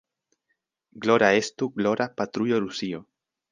Glora estu, glora, patrujo Rusio!